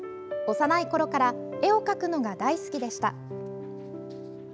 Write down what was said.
幼いころから絵を描くのが大好きでした。